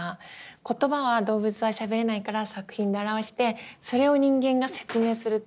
言葉は動物はしゃべれないから作品で表してそれを人間が説明するって。